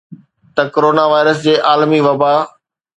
ته corona virus جي عالمي وبا